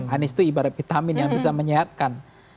hanis itu ibarat vitamin yang bisa menyehatkan